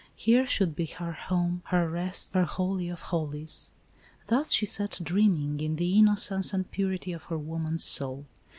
Here should be her home, her rest, her holy of holies. Thus she sat dreaming, in the innocence and purity of her woman's soul.